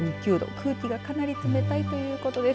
空気が、かなり冷たいということです。